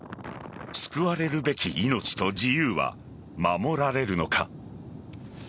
救われるべき命と自由は守られるのか。